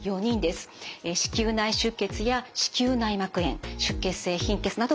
子宮内出血や子宮内膜炎出血性貧血などが起こったとのことです。